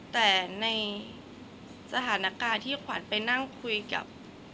แต่ในสถานการณ์ที่ขวัญไปนั่งคุยกับ